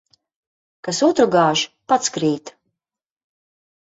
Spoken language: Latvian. Kas otru gāž, pats krīt.